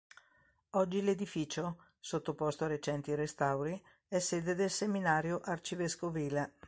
Oggi l'edificio, sottoposto a recenti restauri è sede del seminario arcivescovile.